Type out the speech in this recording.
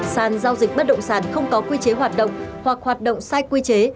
sàn giao dịch bất động sản không có quy chế hoạt động hoặc hoạt động sai quy chế